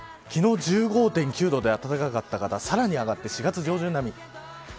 昨日１５．９度で暖かかったからさらに上がって４月上旬並み。